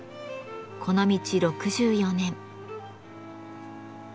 この道６４年。